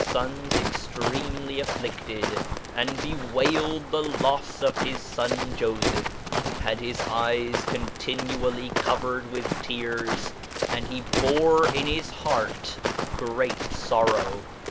149 among his fonsextreamly afflided, and beway led thelofs of his (on foffph; had hi^ eyes continually covered with tears, and he bore in his heart great forrovv.